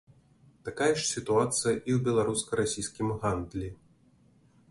Такая ж сітуацыя і ў беларуска-расійскім гандлі.